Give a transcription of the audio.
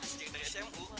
sejak dari smu